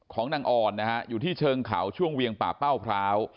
ของนางออนนะฮะอยู่ที่เชิงเขาช่วงเวียงป่าเป้าพร้าว